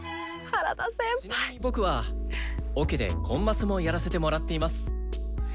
僕はオケでコンマスもやらせてもらっています。